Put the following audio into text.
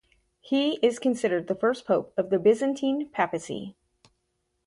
He is considered the first pope of the Byzantine Papacy.